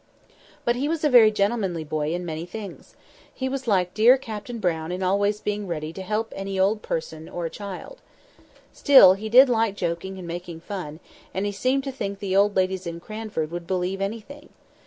But he was a very gentlemanly boy in many things. He was like dear Captain Brown in always being ready to help any old person or a child. Still, he did like joking and making fun; and he seemed to think the old ladies in Cranford would believe anything.